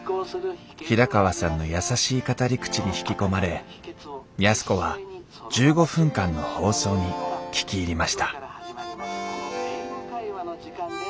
平川さんの優しい語り口に引き込まれ安子は１５分間の放送に聴き入りました